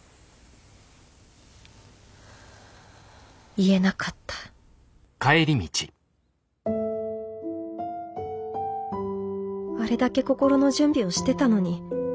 言えなかったあれだけ心の準備をしてたのに。